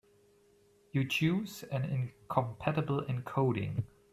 You chose an incompatible encoding.